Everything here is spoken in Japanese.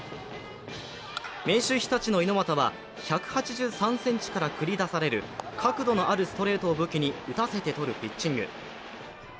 明秀日立の猪俣は１８３ｃｍから繰り出される角度のあるストレートを武器に打たせて取るピッチング。